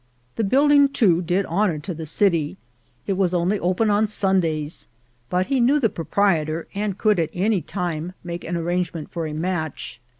The building, too, did honour to the city ; it was only open on Sun days ; but he knew the proprietor, and could at any time make an arrangement for a match.